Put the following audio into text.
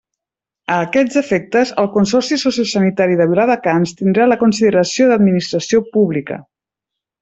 A aquests efectes, el Consorci Sociosanitari de Viladecans tindrà la consideració d'Administració Pública.